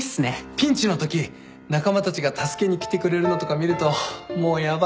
ピンチのとき仲間たちが助けに来てくれるのとか見るともうヤバい。